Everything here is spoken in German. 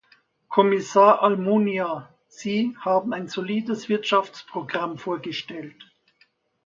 Kommissar Almunia, Sie haben ein solides Wirtschaftsprogramm vorgestellt.